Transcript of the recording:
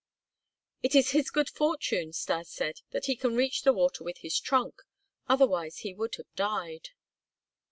"It is his good fortune," Stas said, "that he can reach the water with his trunk. Otherwise he would have died."